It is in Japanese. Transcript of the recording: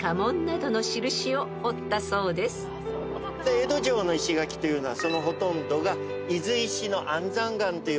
江戸城の石垣というのはそのほとんどが。